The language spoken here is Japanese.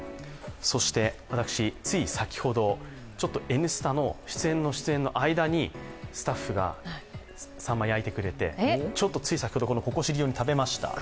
そして私、つい先ほど、「Ｎスタ」の出演と出演の間にスタッフがさんまを焼いてくれて、つい先ほど食べました。